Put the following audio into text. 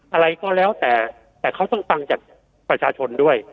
อะไรก็แล้วแต่แต่เขาต้องฟังจากประชาชนด้วย